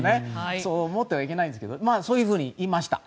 そう思ってはいけないですけどそういうふうに言いました。